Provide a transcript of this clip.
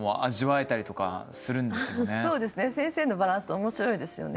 そうですね先生のバランス面白いですよね。